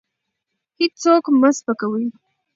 هېڅوک مه سپکوئ.